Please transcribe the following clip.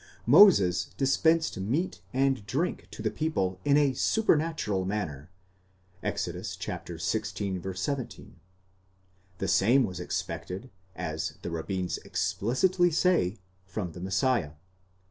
Moses dispensed meat and drink to the people in a supernatural manner (Exod. xvi. 17): the same was expected, as the rabbins explicitly say, from the Messiah.